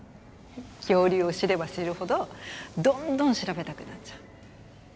恐竜を知れば知るほどどんどん調べたくなっちゃう。